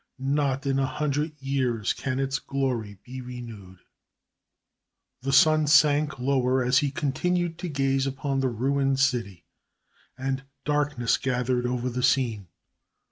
Not in a hundred years can its glory be renewed." The sun sank lower as he continued to gaze upon the ruined city, and darkness gathered over the scene.